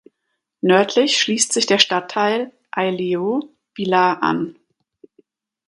Nördlich schließt sich der Stadtteil Aileu Vila an.